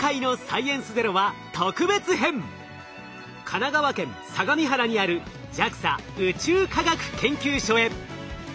神奈川県相模原にあるＪＡＸＡ宇宙科学研究所へ！